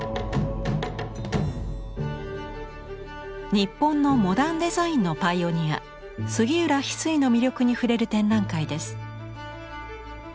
日本のモダン・デザインのパイオニア杉浦非水の魅力に触れる展覧会です。